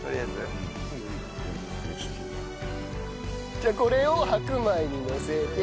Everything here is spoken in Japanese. じゃあこれを白米にのせて。